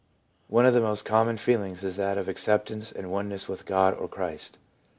One of the most common feelings is that of acceptance and one ness with God or Christ.